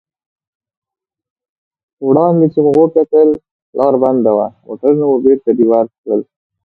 وړاندې چې مو وکتل لار بنده وه، موټرونه مو بېرته رېورس کړل.